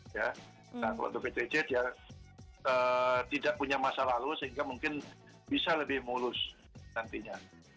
nah kalau bptj tidak punya masalah lalu sehingga mungkin bisa lebih mulus nantinya